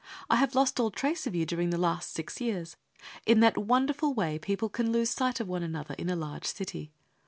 I have lost all trace of you during the last six years, in that wonderful way people can lose sight of one another in a large city.